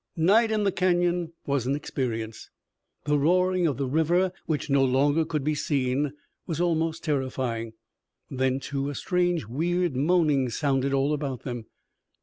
Night in the canyon was an experience. The roaring of the river which no longer could be seen was almost terrifying. Then, too, a strange weird moaning sounded all about them.